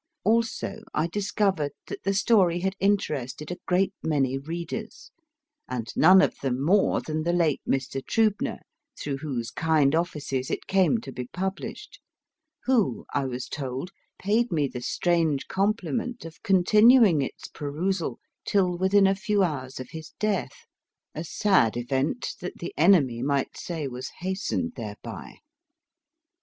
Also, I discovered that the story had interested a great many readers, and none of them more than the late Mr. Triibner, through whose kind offices it came to be published, who, I was told, paid me the strange compliment of continuing its perusal till within a few hours of his death, a sad event that the enemy might say was hastened thereby.